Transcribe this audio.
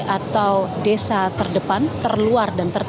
atau desa terdepan terluar dan terdekat